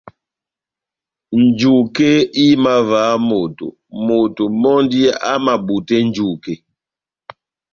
Njuke ihimavaha moto, moto mɔ́ndi amabutɛ njuke.